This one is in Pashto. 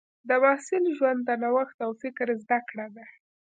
د محصل ژوند د نوښت او فکر زده کړه ده.